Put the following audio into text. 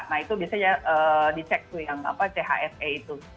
nah itu biasanya dicek tuh yang chse itu